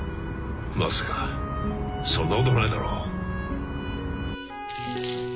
まさかそんなことないだろう。